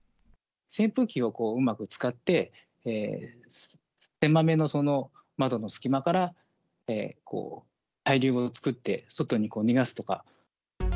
扇風機をうまく使って、狭めの窓の隙間から、対流を作って外に逃がすとか。